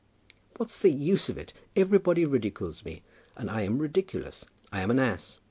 "What's the use of it? Everybody ridicules me. And I am ridiculous. I am an ass.